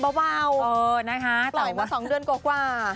เบานะคะปล่อยมา๒เดือนกว่า